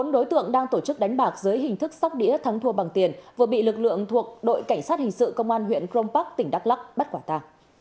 bốn đối tượng đang tổ chức đánh bạc dưới hình thức sóc đĩa thắng thua bằng tiền vừa bị lực lượng thuộc đội cảnh sát hình sự công an huyện crong park tỉnh đắk lắc bắt quả ta